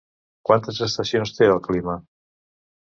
Quantes estacions té el clima?